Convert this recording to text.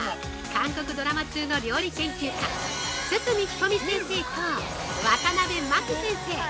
韓国ドラマ通の料理研究家堤人美先生とワタナベマキ先生。